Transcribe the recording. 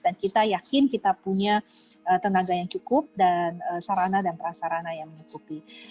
dan kita yakin kita punya tenaga yang cukup dan sarana dan prasarana yang menukupi